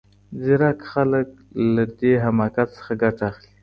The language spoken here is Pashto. ځیرک خلګ له دې حماقت څخه ګټه اخلي.